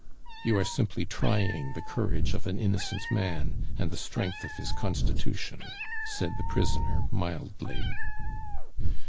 "You are simply trying the courage of an innocent man and the strength of his constitution," said the prisoner mildly.